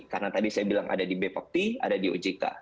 karena tadi saya bilang ada di bapepti ada di ojk